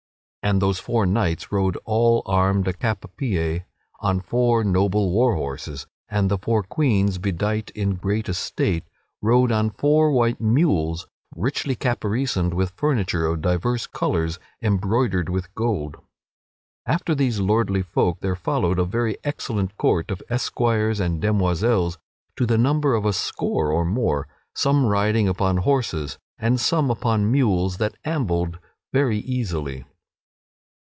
And those four knights rode all armed cap a pie on four noble war horses, and the four queens, bedight in great estate, rode on four white mules richly caparisoned with furniture of divers colors embroidered with gold. After these lordly folk there followed a very excellent court of esquires and demoiselles to the number of a score or more; some riding upon horses and some upon mules that ambled very easily.